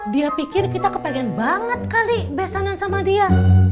dia pikir kita kepengen banget kali besanan sama dia